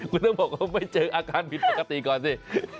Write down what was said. คุณต้องบอกว่าไม่เจออาการผิดปกติก่อนสิ